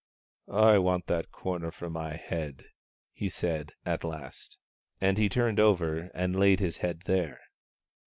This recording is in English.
" I want that corner for my head," he said, at last. And he turned over and laid his head there.